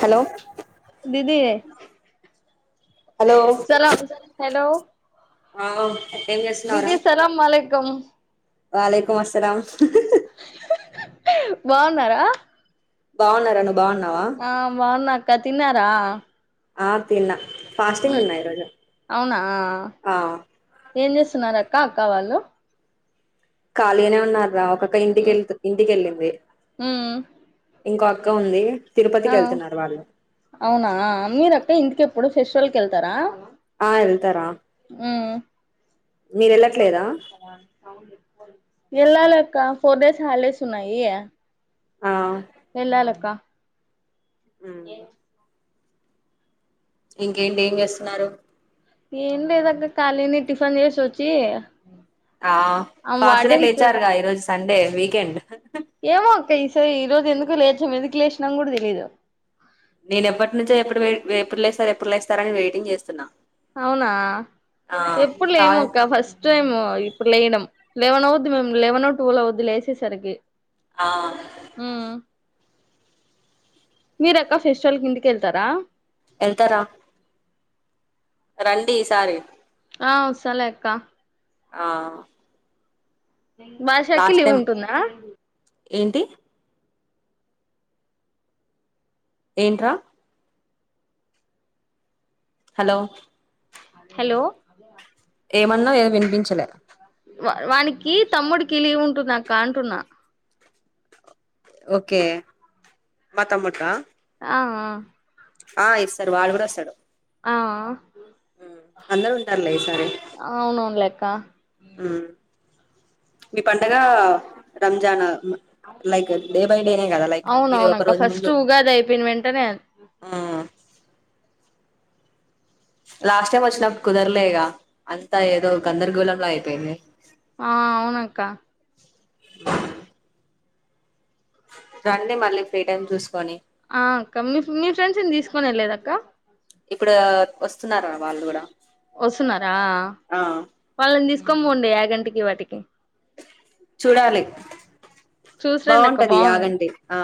Hello దీదీ hello సలాం hello ఆ ఏం దీదీ సలాం లేక్ కం వాళ్లేకుం అస్సలాం బాగున్నారా బాగునరా ను ఆ బాగున్నా క తిన్నారా ఆ తిన్నా ఫాస్టింగ్ ఉన్న ఈ రోజు అవునా ఆ ఏం చేస్తున్నారక్క అక్క వాళ్ళు ఖాళీ గనే ఉన్నారు రా అక్క ఇంటికెళ్ ఇంటికెళ్ళింది ఉమ్ ఇంకో అక్క ఉంది తిరుపతికి ఆ వెళ్తున్నారు వాళ్ళు అవునా మీరక్క ఇంటికేప్ ప్పుడు ఫెస్టివల్కి వెళ్తారా ఆ వెళ్తారా ఉమ్ మీరు వెళ్ళట్లేదా ఎళ్లాలక్క ఫోర్ డేస్ హాలిడేస్ ఉన్నాయి ఆ ఎళ్ళాలక్క ఉమ్. ఎం ఇంకేంటి ఏం చేస్తున్నారు ఏం లేదక్క ఖాళీనే టిఫిన్ చేసోచ్చి ఆ ఫాస్ట్నే లేయిచారుగా ఈరోజు సండే వీకేండ్ ఏమో అక్క ఈసారి ఈ రోజు ఎందుకు లేచాం ఎందుకు లేచినాం కూడా తెలీదు. నేన్ ఎప్పటి నుంచో ఎప్పుడు వే ఎప్పుడు లేస్తారు ఎప్పుడు లేస్తారా అని వెయిటింగ్ చేస్తున్నా. అవునా ఆ ఎప్పుడు కాల్ లేమక్క ఫస్ట్ టైము ఇప్పుడు లేయడం. లెవన్ అవుద్ది మేమ్ లెవెనో ట్వీవాలో అవద్ది లేసేసరికి ఆ మీరేక్క ఫెస్టివల్ కి ఇంటికి యేళ్తారా ఎళ్తారా రండి ఈ సారి ఆ వస్తాలే అక్క ఆ బాషాకి లాస్ట్ లివ్ టైం ఉంటుందా ఏంటి ఏంట్రా హలో హలో ఏమన్నావ్ ఏమీ వినిపించలా వా వానికి తమ్ముడికి లీవ్ ఉంటుందా అక్క అంటున్నా ఓకే మా తమ్ముడికా ఆ ఆ ఆ ఇస్తారు వాడు కూడా వస్తాడు ఆ ఆ ఉ అందరూ ఉంటారులే ఈ సారి కా ఉ మీ పండగా రంజానవ్ లైక్ మీది ఒక అవునవునక్క రోజు ఫస్ట్ ముందు ఉగాది అయిపోయిన వెంటనే అద్ మ్ లాస్ట్ టైం వచ్చినప్ కుదరలేగా అంతా ఏదో గందరగోళంలా అయిపోయింది ఆ అవునాక్క [inaudible] రండి మళ్లి ఆ అక్క మీ మీ ఫ్రెండ్స్నీ తీస్క్ పోనే లేదక్కా ఇప్పుడు వస్తున్నారా వాళ్ళు కూడా వస్తున్నారా ఆ వాళ్ళని తీస్క్ కొమ్ము ఉండే యాగంటికి వాటికి చూడాలి చూసి రండి అక్క బాగుంటది బాగుంది యాగండి ఆ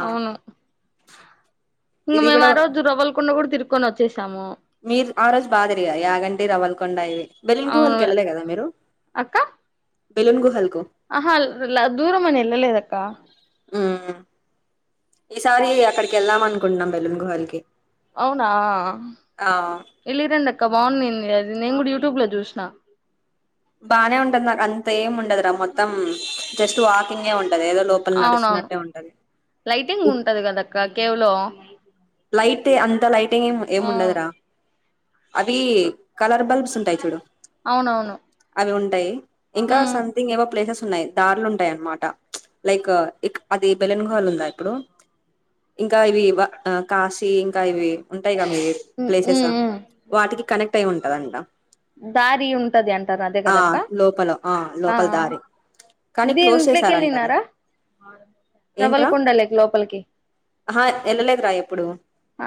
ఇగ ఇది మేము కూడా ఆరోజు రవ్వలకొండ కూడా తిరిగి కొని వచ్చేసాము మీరు ఆ రోజు బాగా తిరిగా యాగంటి రవ్వల్కొండ ఇవి బెలూన్ అవును కావ్కి వెళ్ళలేద మీరు అక్క బెలూన్ గుహల్ ఆహా దూరం అని వెళ్ళలేదక్క ఉ ఈసారి అక్కడికి వెళ్దాం అనుకుంటున్నాం బెలూన్ గుహలికి అవునా వెళ్ళిరండక్క ఇంకా బాగుంది అది నేను కూడా యూట్యూబ్ లో చూసినా బాగానే ఉంటంది నా అంత ఏం ఉండదురా మొత్తం జస్ట్ వాకింగే ఉంట అవునవును లైటింగ్ ఉంటది కదక్క కేవలో లైట్ అంత లైట్ ఏం ఉండదురా ఆది కలర్ బల్బ్స్ ఉంటాయి చూడు అవునవును అవి ఉంటాయి ఇంకా ఉమ్ సంథింగ్ ఏవో ప్లేసెస్ ఉన్నాయి దారులు ఉంటాయి అన్నమాట లైక్ అది బెలన్ గుహల్ ఉందా ఇప్పుడు ఇంకా ఇవి ఆ కాశి ఇంకా ఇవి మీ ఉమ్ ప్లేసెస్ ఉమ్ ఉమ్ వాటికి కనెక్ట్అయి ఉండ. కదంట దారి ఉంటది అంటారు అదే కదక్క లోపల ఆ లోపల దారి కానీ ఇది క్లోజ్ ఇంట్లోకి చేసారంట అది వెళ్ళినారా ఏంట్రా రవల్కుండ లేక లోపలికి రా ఎప్పుడు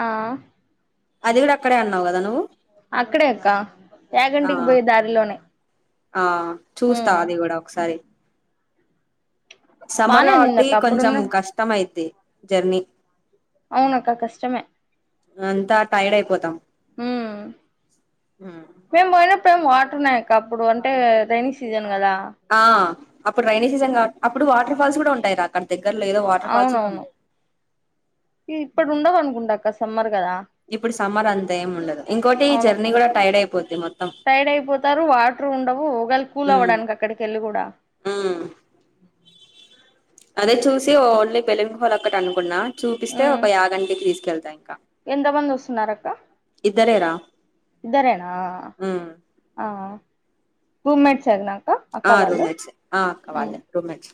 ఆ అది కూడా అక్కడే అన్నావు కదా నువ్వు అక్కడే అక్క ఆ ఏయాగంటికి పోయి దారిలోనే ఆ చూస్తా ఉమ్ అది కూడా ఒకసారి సమ్మర్ బానే కాబట్టి ఉన్నిందక్క కొంచెం అప్పుడున్న కష్టం అయిది జర్నీ అవునక్క కష్టమే అంతా టైర్డ్ అయిపోతాం. ఉమ్ మేము పోయినప్పుడు వాటర్ ఉన్నాయి అక్క అప్పుడు అంటే రైైనీ సీజన్ కదా ఆ అప్పుడు రడ్రైనే సీజన్ కా అప్పుడు వాటర్. కూడా ఉంటయి రాక అవునవును ఈ ఇప్పుడు ఉండవు అనుకుంటా సమ్మర్ కదా ఇప్పుడు సమ్మర్ అంతా ఏం ఉండదు ఇంకోటి ఈ జర్నీ కూడా టైర్డ్ అయిపో. టైడ్ అయిపోతారు వాటర్ ఉండవు ఒకగాళ కూల్ ఉమ్ అవ్వడానికి అక్కడికి వెళ్ళి కూడా. ఉమ్ అదే చూసి ఓన్లీ పెలిమి హోల్ అక్కటి అనుకున్నా చూపిస్తే ఒక యాగంటికి తీసుకెళ్తా ఇంకా ఎంత మంది వస్తున్నారు అక్క ఇద్దరే రా ఇద్దరేనా హు టూ మట్స్ నాకు ఆ రూమట్స్ ఆ కవాలే రూమట్స్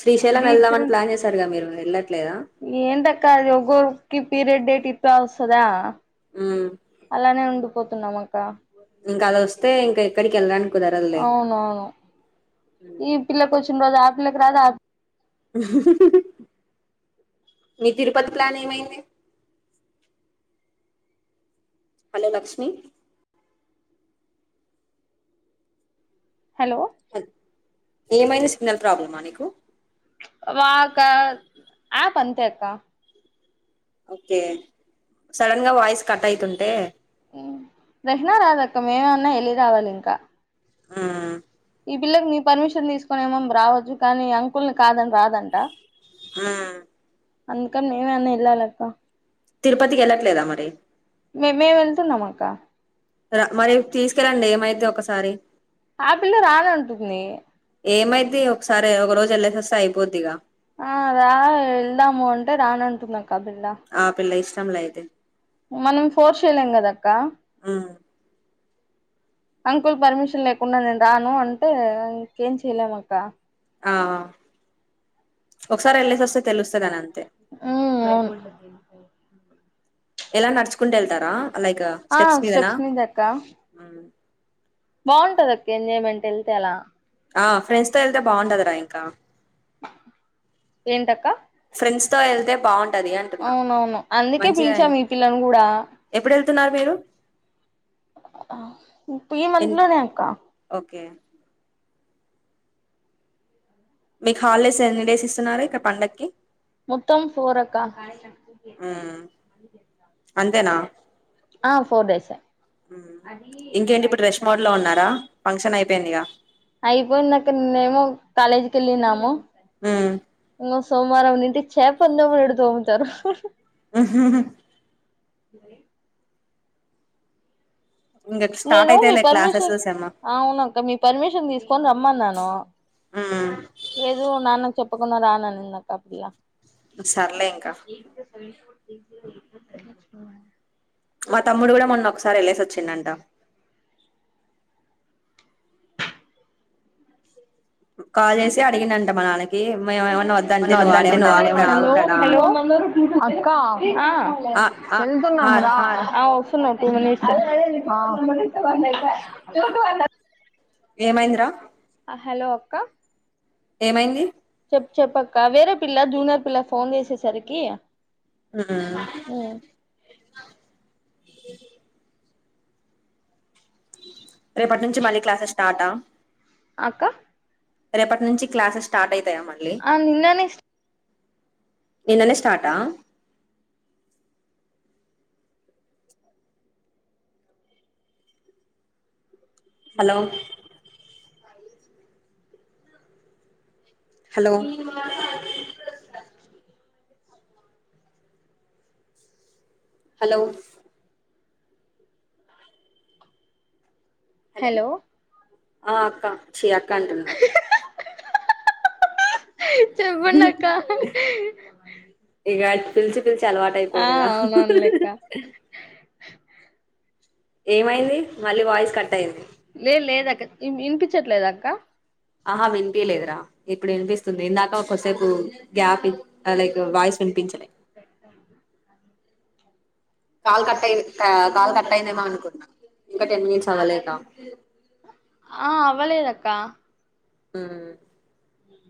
శ్రీశైలం వెళ్దామని ప్లాన్ చేశారుగా మీరు ఎల్లా ఏన్ దక్క అది ఒగకి పీరియడ్ డేట్ ఇ ఇ వస్తదా ఉమ్ అలానే ఉండు పోతున్నాం అక్క ఇంకా అది వస్తే ఇంకా ఎక్కడికి వెళ్ళనికి అవునవును ఈ పిల్లకీ వచ్చి రోజా అ పిల్లకి రాధ్ మీ తిరుపతి ప్లాన్ ఏంమైది హలో లక్ష్మి హలో హ ఏమైంది సిగ్నల్ ప్రాబ్లమ్మా నీకు ఆప్ అంతే అక్క ఓకే సడన్ గా వాయిస్ కట్ అయితుంటే వెంటనే రాదక్క మేమమన్నా వెళ్ళి రావాలి ఇంకా ఆఅ ఈ పిల్లకి నీ పర్మిషన్ తీసుకొని ఏమం రావచ్చు కానీ అంకుల్ని కాదని రాదంట ఆమ్ అందుకని నేనన్న వెళ్ళాలక్క తిరుపతికి వెళ్ళట్లేదా మరి మే మేము వెళ్తున్నాం అక్క జర మరి తీసుకెళ్ళండి ఏమైతే ఒకసారి ఆ పిల్ల రానంటుంది ఏమైది ఒకసారి ఒక రోజు వెల్లసి వస్తే అయిపోద్దిగా ఆ రా వెళ్దాము అంటే రానంటున్నారు ఆ పిల్ల ఇష్టం ఇష్టం లే అయితే మనం ఫోస్ చేయలేం కదక్క మ్మ్ అంకుల్ పర్మిషన్ లేకుండా నేను రాను అంటే ఇంకేం చేయలేం అక్క ఆ ఒకసారి వెళ్ళేసివస్తే తెలుస్తది అని అంతే ఉమ్ అవును ఎలా నడుచుకుంటు వెళ్తారా లైక్ ఆ మీదనా స్టెప్స్ మీదే అక్క మ్మ్ బాగుంటుది అక్క ఎంజాయమెంట్ వెళ్తే అలా ఆ ఫ్రెండ్స్ తో వెళ్తే బాగుండదరా ఇంకా ఏంటక్క ఫ్రెండ్స్ తో వెళ్తే బావుంటా అవునవును అందుకే పిలిచాము మీ పిల్లని కూడా తున్నారు మీరు ఆహ్ హ్మ్ మంత్ ఎన్ లోనే అక్క ఓకే మీకు హాలిడేస్ ఎన్ని డేస్ ఇస్తున్నారూ, ఇక పండక్కి మొత్తం ఫోర్ అక్క మ్మ్ అంతేనా ఆ ఫోర్ డేస్ హమ్ ఇంకేంటి ఇప్పుడు రెస్ట్ మోడ్ లో ఉన్నారా ఫంక్షన్ అయిపెందిగా అయిపోయిందక్క, నిన్నమో కాలేజీకి వెళ్ళినము ఉమ్ సో సోమవారం నింటి చేపన్ తోమినట్టు తోముత రూ ఉహుహు ఉహ్ హు ఇంక స్టార్ట్ నేను మీ అయితాయిలే క్లాసెస్ పర్మిషన్, సెమ్ అవునక్క మీ పర్మిషన్ తీసుకొని రమ్మన్నాను మ్మ్ లేదు నాన్నన చెప్ ఒప్పుకున్నా రాన్ అన్నది పిల్ల సర్లే ఇంకా ఏ సెవె ఫోర్ [unintelligible] మా తమ్ముడు కూడా మొన్న ఒకసారి వెళ్లేసి వచ్చిండంట కాల్ చేసి అడిగిండ్ డంట మ నాన్నకి మేము ఏమన్నా వన్ వద్దంటే నువ్వు వద్దు అంటే నువ్ వాడేమన్నా వాడ్ ఎమన్నా అని. ఆగుతాడా అక్కా హ ఆ ఆ వస్తున్నా టూ మినిట్స్ [inaudible] ఏమైందిరా హలో అక్కా ఏమైంది చె చెప్ అక్క వేరే పిల్ల జూనియర్ పిల్ల ఫోన్ చేసేసరికి హ్మ్మ్ రేపటి నుంచి మళ్ళీ క్లాసెస్ స్టార్టా అక్క రేపటి నుంచి క్లాసెస్ స్టార్ట్ అయి ఆ నిన్ననే సాట్ నిన్ననే స్టార్టా ఇ హలో [unintelligible] హలో అ హలో హలో ఆ అక్క చీ అక్ అక్క అంటున్న చెప్పండక్క తెల్సి పిలిచి అలవాటు అయిపోయిందిగ ఏమయింది మళ్ళీ వాయిస్ కట్ అయింది లేదు లేదక్క వినిపించట్లేద అక్క ఆహా వినిపిలేదురా ఇప్పుడు వినిపిస్తుంది ఇందాక ఒకసేపు గ్యాప్ లైక్ వాయిస్ వినిపించలే కాల్ కటై కాల్ కట్ అయందేమో అనుకుంటన్నాం ఇంకా టెన్ మినిట్స్ అవ్వలేద ఆ అవ్వలేదక్కా ఊ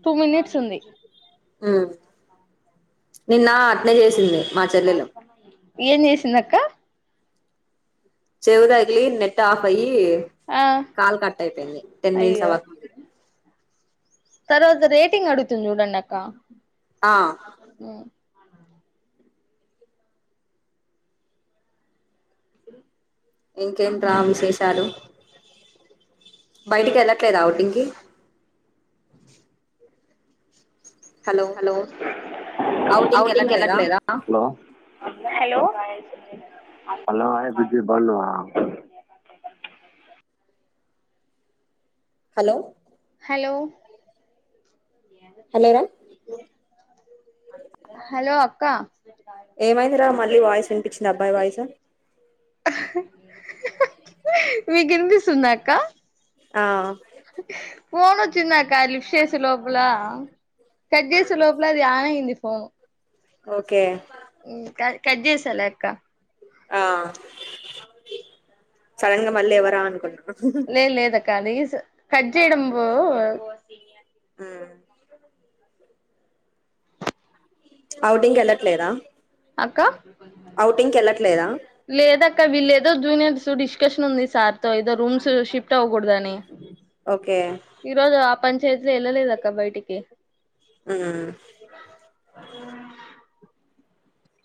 టూ మినిట్స్ ఉంది హు నిన్న అట్నే చేసింది మా అ చెల్లెలు నాస్న్నా ఎం చేసింది అక్క చెవి తగిలి నెట్ ఆఫ్ అయి ఆ కాల్ కట్ అయిపోయింది టెన్ మినిట్స్ అ్వ అయ్యో తర్వాత రేటింగ్ అడు తంచూడండాక్క ఆ ఉమ్ ఇంకేమింట్రా విశేషాలు బయటికి వెళ్ళట్లేదు ఆవుటింగ్కి హలో అఔటింగ్ వెళ్ళట్లేదా hello hello hello hello hello కా ఏమైందిరా మళ్ళీ వాయిస్ వినిపించి దబ్బై వయసు మీకనిపిస్తుందా అక్క ఆ ఫోనొచ్చింద కాలిప్సేసి లోపల కడ్ చేసే లోపలా అది ఆన్ అయింది ఫోను ఒకే కజ్జీ సాలే అక్క ఆ సడన్ గా మళ్ళీ ఎవరా అనుకుం లే లేదక ఆది కట్ చేయడం పో ఉ ఔటింగ్ ఎళ్ళట్లేదా అక్క ఔటింగ్కి వెళ్ళట్లేదా వీళ్ళ ఏదో జూనియర్స్ డిస్కషన్ ఉంది సార్ తో ఏదో రూమ్స్ షిఫ్ట్ అవ్వకూడదని ఒకే చైత్ర ఎల్లలేదక్క బయటికి ఉమ్ అ